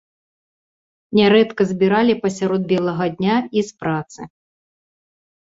Нярэдка забіралі пасярод белага дня і з працы.